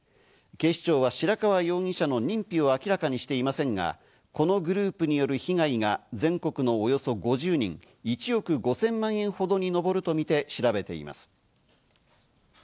警視庁は白川容疑者の認否を明らかにしていませんが、このグループによる被害が全国のおよそ５０人、１億５０００万円ほどにのぼるとみて調べています。